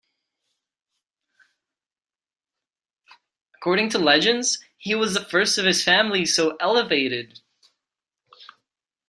According to legends, he was the first of his family so elevated.